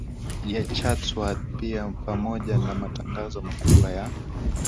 ya Chatsworth pia pamoja na matangazo makubwa ya